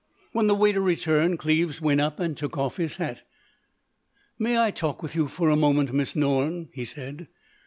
When the waiter returned Cleves went up and took off his hat. "May I talk with you for a moment, Miss Norne?" he said.